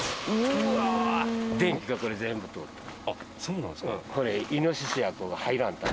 電気がこれ全部通ってる。